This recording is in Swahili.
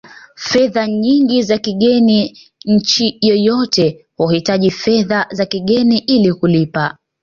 fedha nyingi za kigeni nchi yoyote huhitaji fedha za kigeni ili kulipia